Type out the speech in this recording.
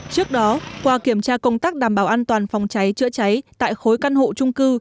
trước đó qua kiểm tra công tác đảm bảo an toàn phòng cháy chữa cháy tại khối căn hộ trung cư